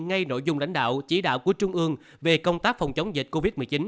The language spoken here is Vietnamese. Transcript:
ngay nội dung lãnh đạo chỉ đạo của trung ương về công tác phòng chống dịch covid một mươi chín